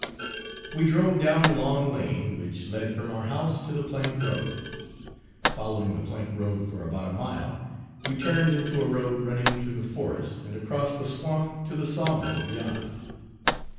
We drove down the long lane which led from our house to the plank road; following the plank road for about a mile, we turned into a road running through the forest and across the swamp to the sawmill Page 39 beyond.